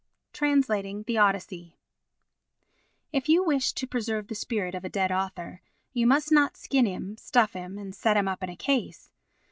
Translating the Odyssey If you wish to preserve the spirit of a dead author, you must not skin him, stuff him, and set him up in a case.